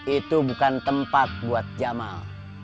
itu bukan tempat buat jamal